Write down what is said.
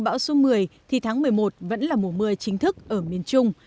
bão số một mươi thì tháng một mươi một vẫn là mùa mưa chính thức ở miền trung